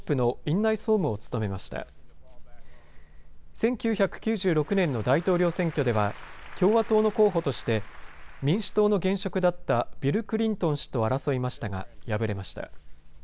１９９６年の大統領選挙では共和党の候補として民主党の現職だったビル・クリントン氏と争いましたが敗れました。